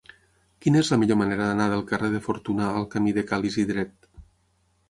Quina és la millor manera d'anar del carrer de Fortuna al camí de Ca l'Isidret?